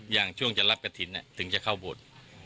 อย่างช่วงจะรับกตินน่ะถึงจะเข้าบท